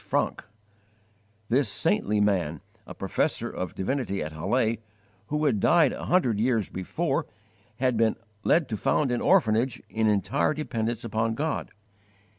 Francke._ This saintly man, a professor of divinity at Halle, who had died a hundred years before (1727), had been led to found an orphanage in entire dependence upon God.